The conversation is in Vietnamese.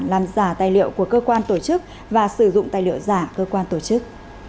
làm giả tài liệu của cơ quan tổ chức và sử dụng tài liệu giả cơ quan tổ chức